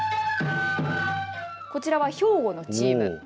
こちらは兵庫のチーム。